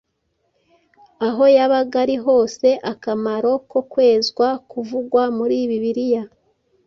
aho yabaga ari hose, akamaro ko kwezwa kuvugwa muri Bibiliya.